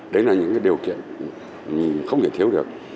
đấy là những điều kiện không thể thiếu được